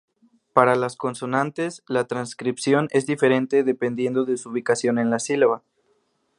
Para las consonantes, la transcripción es diferente dependiendo de su ubicación en la sílaba.